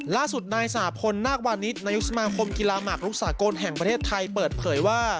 ล่าสุดนายสหพลนาควานิสนายกสมาคมกีฬาหมากรุกสากลแห่งประเทศไทยเปิดเผยว่า